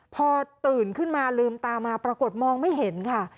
พอตื่นขึ้นมาลืมตามาปรากฏมองไม่เห็นค่ะ